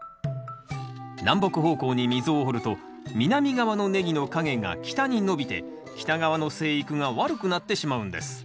南北方向に溝を掘ると南側のネギの影が北に伸びて北側の生育が悪くなってしまうんです。